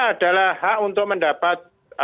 adalah hak untuk mendapat